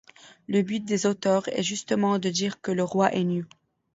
Le but des auteurs est justement de dire que le roi est nu.